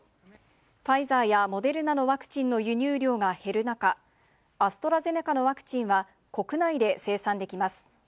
ファイザーやモデルナのワクチンの輸入量が減る中、アストラゼネカのワクチンは、国内で生産できます。